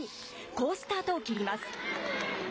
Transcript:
好スタートを切ります。